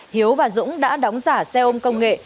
hiếu và dũng đã đóng giả xe ôm công nghệ